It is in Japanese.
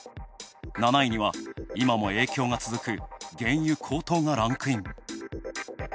７位には今も影響が続く原油高騰がランクイン。